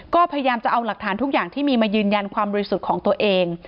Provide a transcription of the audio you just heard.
ก็พยายามจะเอาหลักฐานทุกอย่างที่มีมายืนยันความบริสุทธิ์ของตัวเอง